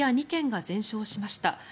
２軒が全焼しました。